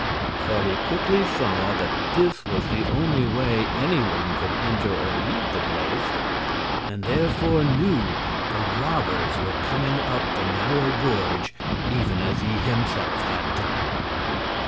For he quickly saw that this was the only way any one could enter or leave the place, and therefore knew the robbers were coming up the narrow gorge even as he had himself done.